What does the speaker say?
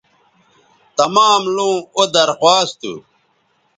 تمام لوں او درخواست تھو